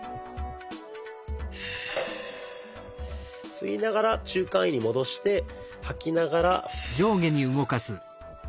吸いながら中間位に戻して吐きながら。